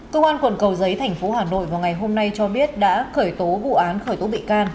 công an quận cầu giấy tp hcm vào ngày hôm nay cho biết đã khởi tố vụ án khởi tố bị can